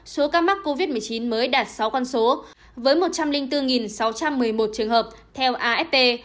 số ca mắc covid một mươi chín mới đạt sáu con số với một trăm linh bốn sáu trăm một mươi một trường hợp theo afp